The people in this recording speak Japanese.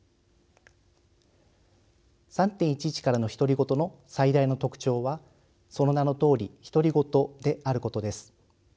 「３．１１からの独り言」の最大の特徴はその名のとおり独り言であることです。